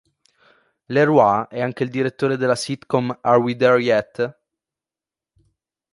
LeRoi è anche il direttore della sitcom "Are We There Yet?